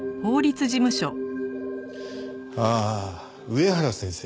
ああ上原先生？